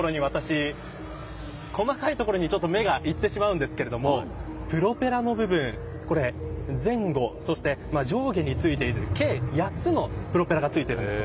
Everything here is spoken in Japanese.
細かいところに、私目がいってしまうんですけれどもプロペラの部分前後そして上下に付いている計８つのプロペラが付いています。